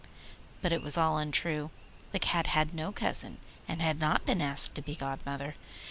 But it was all untrue. The Cat had no cousin, and had not been asked to be godmother.